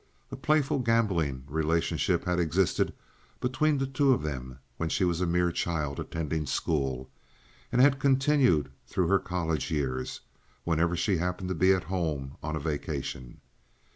A playful gamboling relationship had existed between them when she was a mere child attending school, and had continued through her college years whenever she happened to be at home on a vacation.